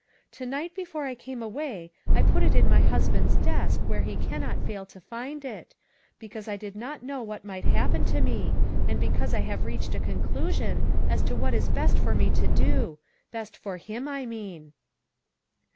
To night before I came away I put it in my husband's desk where he cannot fail to find it, because I did not know what might happen to me, and because I have reached a conclusion as to what is best for me to do best for him, I mean."